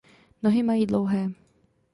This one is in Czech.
Nohy mají dlouhé.